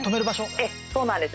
ええそうなんです。